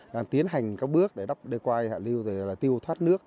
đang tiến hành các bước để đắp đê quai hạ lưu và tiêu thoát nước